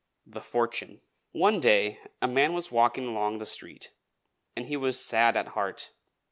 A FORTUNE One day a man was walking along the street, and he was sad at heart.